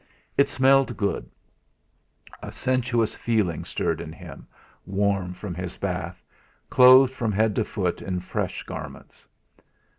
It smelt good. A sensuous feeling stirred in him, warm from his bath, clothed from head to foot in fresh garments.